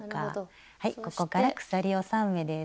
はいここから鎖を３目です。